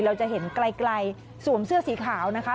เราจะเห็นไกลสวมเสื้อสีขาวนะคะ